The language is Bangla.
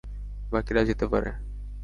বাকিরা যেতে পারে।